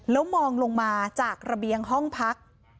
แล้วมองลงมาจากระเบียงห้องพัก